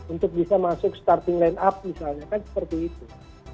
untuk bisa masuk starting line up misalnya kan seperti itu